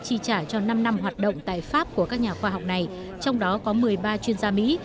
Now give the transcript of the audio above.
chi trả cho năm năm hoạt động tại pháp của các nhà khoa học này trong đó có một mươi ba chuyên gia mỹ